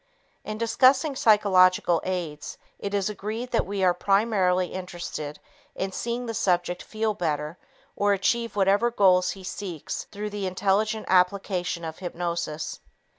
In discussing psychological aids, it is agreed that we are primarily interested in seeing the subject feel better or achieve whatever goals he seeks through the intelligent application of self hypnosis.